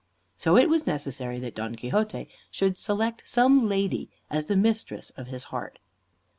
So it was necessary that Don Quixote should select some lady as the Mistress of his Heart.